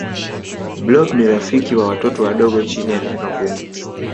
blob ni rafiki wa watoto wadogo chini ya miaka kumi